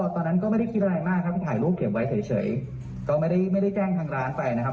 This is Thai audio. ตอนนั้นก็ไม่ได้คิดอะไรมากครับถ่ายรูปเก็บไว้เฉยก็ไม่ได้แจ้งทางร้านไปนะครับ